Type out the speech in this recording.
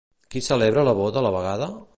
Qui celebra la boda a la vegada?